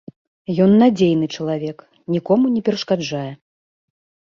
Ён надзейны чалавек, нікому не перашкаджае.